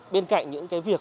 bên cạnh những cái việc